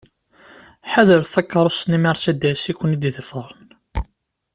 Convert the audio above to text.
Ḥadret takeṛṛust-nni Mercedes i ken-id-iḍefren.